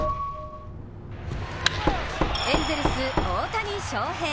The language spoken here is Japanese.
エンゼルス・大谷翔平。